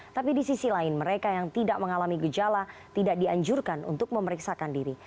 tapi di sisi lain mereka yang tidak mengalami gejala tidak dianjurkan untuk memeriksakan diri